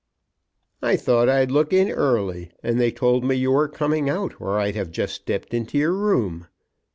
"I thought I'd look in early, and they told me you were coming out or I'd have just stepped into your room."